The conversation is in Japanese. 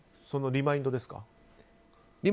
リマインドですか。